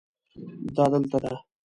دا دلته ده